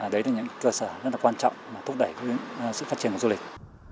đấy là những cơ sở rất là quan trọng mà thúc đẩy sự phát triển của du lịch